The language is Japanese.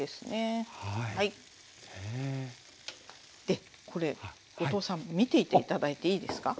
でこれ後藤さん見ていて頂いていいですか？